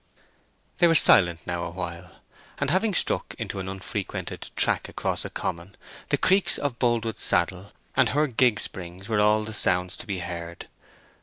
They were silent now awhile, and having struck into an unfrequented track across a common, the creaks of Boldwood's saddle and her gig springs were all the sounds to be heard.